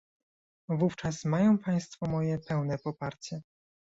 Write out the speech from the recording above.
Wówczas mają państwo moje pełne poparcie